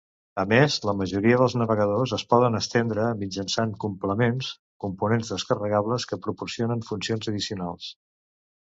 A més, la majoria dels navegadors es poden estendre mitjançant complements, components descarregables que proporcionen funcions addicionals.